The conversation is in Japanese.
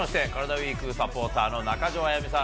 ＷＥＥＫサポーターの中条あやみさん